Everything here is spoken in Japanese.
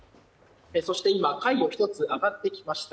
そして今、階を１つ上がってきました。